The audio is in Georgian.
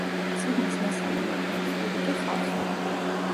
წიგნის მესამე მოქმედი პირი კი ხალხია.